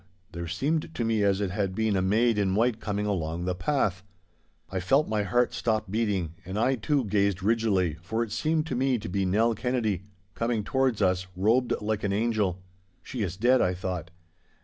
there seemed to me as it had been a maid in white coming along the path. I felt my heart stop beating, and I, too, gazed rigidly, for it seemed to me to be Nell Kennedy, coming towards us, robed like an angel. 'She is dead!' I thought.